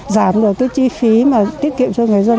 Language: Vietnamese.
giảm được chi phí tiết kiệm cho người dân